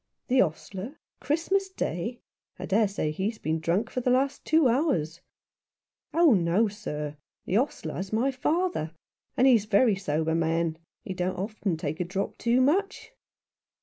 " The ostler ? Christmas Day ? I dare say he's been drunk for the last two hours." " Oh no, sir. The ostler's my father, and he's a very sober man. He don't often take a drop too much."